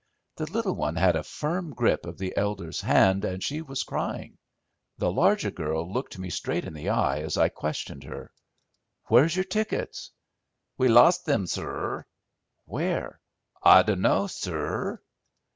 The little one had a firm grip of the elder's hand and she was crying. The larger girl looked me straight in the eye as I questioned her. "Where's your tickets?" "We lost thim, sur." "Where?" "I dunno, sur."